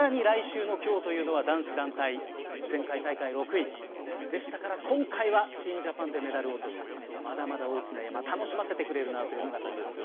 そして、来週の今日は男子団体前回大会は６位でしたから今回はチームジャパンでメダルをというまだまだ大きな山楽しませてくれます。